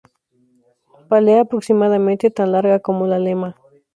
Pálea aproximadamente tan larga como la lema.